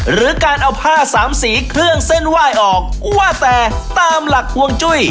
หรือการเอาผ้าสามสีเครื่องเส้นไหว้ออกว่าแต่ตามหลักห่วงจุ้ย